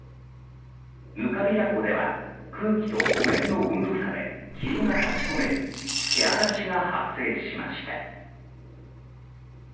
ぬかびら湖では空気と湖面の温度差で霧が立ち込めるけあらしが発生しました。